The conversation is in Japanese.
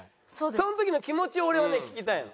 その時の気持ちを俺はね聞きたいの。